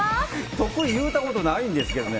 得意言うたことないんですけどね。